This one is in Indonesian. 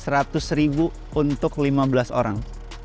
seratus ribu untuk lima belas orang